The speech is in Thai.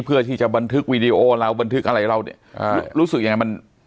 เพื่อที่จะบันทึกวีดีโอเราบันทึกอะไรเราเนี่ยรู้สึกยังไงมัน